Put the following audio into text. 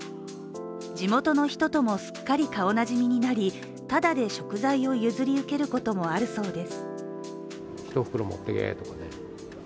地元の人ともすっかり顔なじみになりただで食材を譲り受けることもあるそうです。